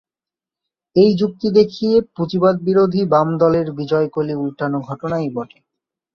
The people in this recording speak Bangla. এই যুক্তি দেখিয়ে পুঁজিবাদবিরোধী বাম দলের বিজয় কলি উল্টানো ঘটনাই বটে।